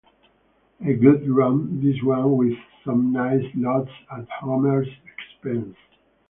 A good romp, this one, with some nice laughs at Homer's expense.